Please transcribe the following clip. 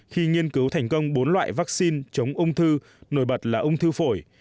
khi nghiên cứu thành công bốn loại vaccine chống ung thư nổi bật là ung thư phổi